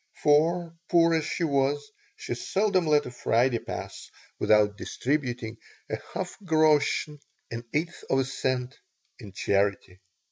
For, poor as she was, she seldom let a Friday pass without distributing a few half groschen (an eighth of a cent) in charity.